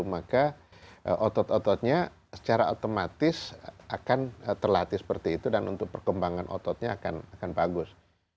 maka otot ototnya secara otomatis akan terlatih seperti itu dan untuk perkembangan ototnya akan bagus